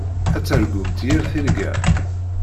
Ad targumt yir tirga.